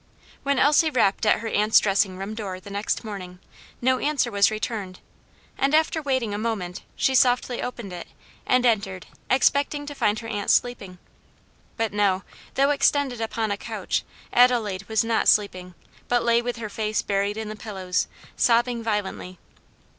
When Elsie rapped at her aunt's dressing room door the next morning, no answer was returned, and after waiting a moment, she softly opened it, and entered, expecting to find her aunt sleeping. But no, though extended upon a couch, Adelaide was not sleeping, but lay with her face buried in the pillows, sobbing violently.